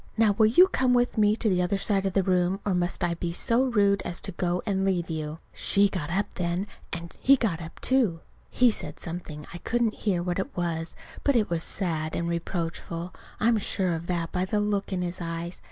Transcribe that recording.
Now, will you come with me to the other side of the room, or must I be so rude as to go and leave you?" She got up then, and he got up, too. He said something I couldn't hear what it was; but it was sad and reproachful I'm sure of that by the look in his eyes.